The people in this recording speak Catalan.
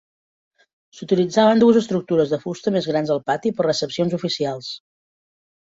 S'utilitzaven dues estructures de fusta més grans al pati per recepcions oficials.